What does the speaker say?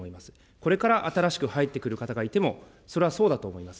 これから新しく入ってくる方がいても、それはそうだと思います。